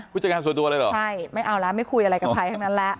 ผู้จัดการส่วนตัวเลยเหรอใช่ไม่เอาแล้วไม่คุยอะไรกับใครทั้งนั้นแล้ว